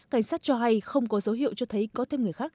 cảnh sát cho hay không có dấu hiệu cho thấy có thêm người khác